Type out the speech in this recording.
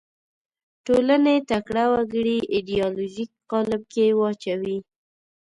ټولنې تکړه وګړي ایدیالوژیک قالب کې واچوي